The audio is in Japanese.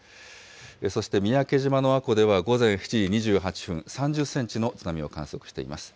そして三宅島の阿古では、午前７時２８分、３０センチの津波を観測しています。